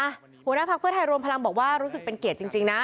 หัวหน้าภักดิ์เพื่อไทยรวมพลังบอกว่ารู้สึกเป็นเกียรติจริงนะ